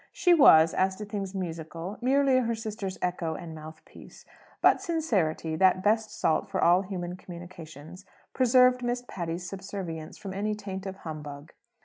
She was, as to things musical, merely her sister's echo and mouthpiece. But sincerity, that best salt for all human communications, preserved Miss Patty's subservience from any taint of humbug.